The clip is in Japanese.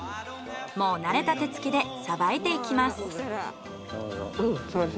もう慣れた手つきでさばいていきます。